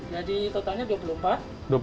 jadi totalnya rp dua puluh empat